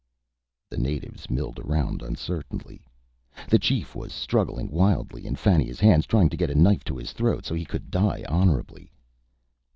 The natives milled around uncertainly. The chief was struggling wildly in Fannia's hands, trying to get a knife to his throat, so he could die honorably.